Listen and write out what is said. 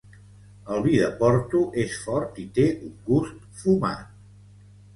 El vi de Porto és fort i té un gust fumat.